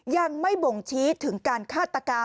ยังไม่บ่งชี้ถึงการฆาตกรรม